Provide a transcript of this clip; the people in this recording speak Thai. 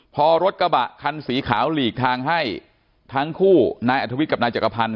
พอรถกระบะคันสีขาวหลีกทางให้ทั้งคู่นายอัธวิทย์กับนายจักรพันธ